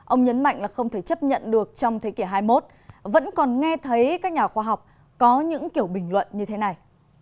ông nhấn mạnh là không thể chấp nhận được trong thế kỷ hai mươi một vẫn còn nghe thấy các nhà khoa học có những kiểu bình luận như thế này